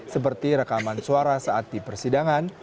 seperti rekaman suara saat di persidangan